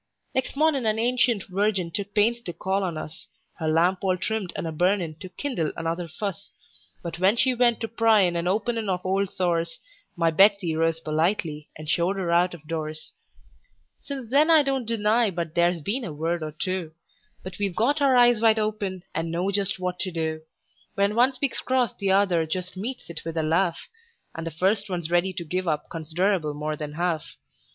Next mornin' an ancient virgin took pains to call on us, Her lamp all trimmed and a burnin' to kindle another fuss; But when she went to pryin' and openin' of old sores, My Betsey rose politely, and showed her out of doors. "MY BETSEY ROSE POLITELY, AND SHOWED HER OUT OF DOORS." Since then I don't deny but there's been a word or two; But we've got our eyes wide open, and know just what to do: When one speaks cross the other just meets it with a laugh, And the first one's ready to give up considerable more than half.